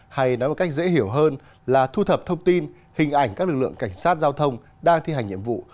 hay nói một cách dễ hiểu hơn là thu thập thông tin hình ảnh các lực lượng cảnh sát giao thông đang thi hành nhiệm vụ